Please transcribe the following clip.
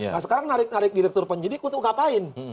nah sekarang narik narik direktur penyidik untuk ngapain